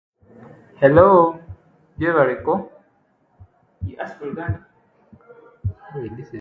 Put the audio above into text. Thyroiditis is a group of disorders that all cause thyroidal inflammation.